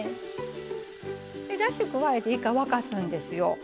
だし加えて一回沸かすんですよ。